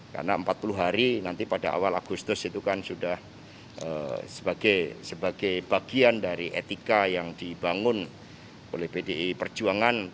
karena empat puluh hari nanti pada awal agustus itu kan sudah sebagai bagian dari etika yang dibangun oleh bdi perjuangan